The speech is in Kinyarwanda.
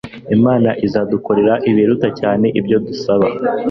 Imana izadukorera “ibiruta cyane ibyo dusaba,”